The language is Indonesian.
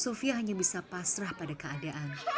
sulfie hanya bisa pasrah pada keadaan